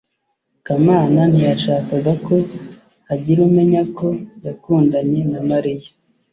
kamana ntiyashakaga ko hagira umenya ko yakundanye na mariya